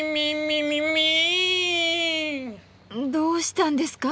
どうしたんですか？